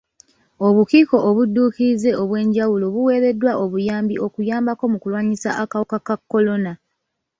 Obukiiko obudduukirize obw'enjawulo buweereddwa obuyambi okuyambako mu kulwanyisa akawuka ka kolona.